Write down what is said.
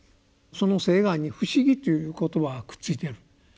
その「誓願」に「不思議」という言葉がくっついている。